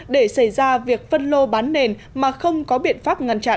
để xảy ra việc phân lô bán nền mà không có biện pháp ngăn chặn